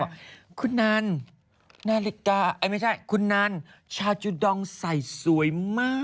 ว่าคุณนันนาฬิกาคุณนานชาจุดองซ์ใส่สวยมาก